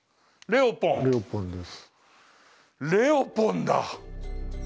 レオポンだ。